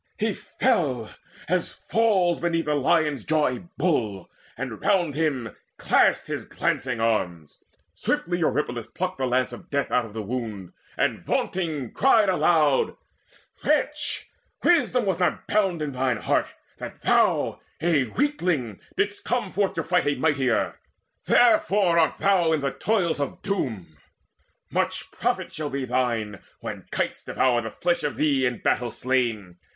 He fell, as falls beneath a lion's jaws A bull, and round him clashed his glancing arms. Swiftly Eurypylus plucked the lance of death Out of the wound, and vaunting cried aloud: "Wretch, wisdom was not bound up in thine heart, That thou, a weakling, didst come forth to fight A mightier. Therefore art thou in the toils Of Doom. Much profit shall be thine, when kites Devour the flesh of thee in battle slain!